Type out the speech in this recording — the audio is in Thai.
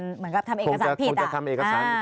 ทำเอกสารผิดคงจะทำเอกสาร